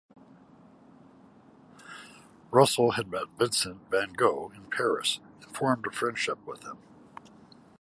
Russell had met Vincent van Gogh in Paris and formed a friendship with him.